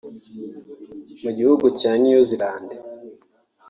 Mu gihugu cya New Zealand